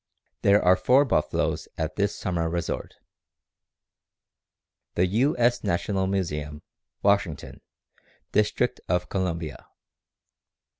_ There are four buffaloes at this summer resort. _The U. S. National Museum, Washington, District of Columbia.